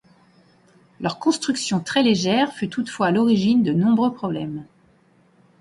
Leur construction très légère fut toutefois à l'origine de nombreux problèmes.